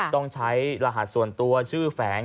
ต้องใช้รหัสส่วนตัวชื่อแฝง